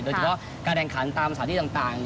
โดยเฉพาะการแข่งขันตามสถานที่ต่าง